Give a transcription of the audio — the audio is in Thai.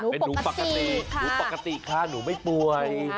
เป็นหนูปกติหนูไม่ป่วย